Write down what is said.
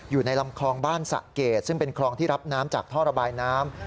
อยู่ในลำคลองบ้านสะเกดซึ่งเป็นคลองที่รับน้ำจากท่อระบายน้ำ